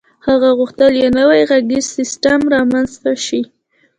هغه غوښتل یو نوی غږیز سیسټم رامنځته شي